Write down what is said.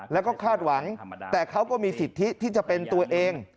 แล้วก็คาดหวังแต่เขาก็มีสิทธิที่จะเป็นตัวเอง